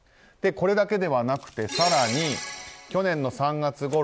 これだけではなくて更に、去年の３月ごろ